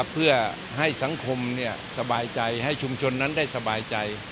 เพื่อให้สังคมสบายใจให้ชุมชนนั้นได้สบายใจ